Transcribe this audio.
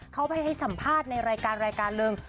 เขาไปให้สัมภาทในรายการหนึ่ง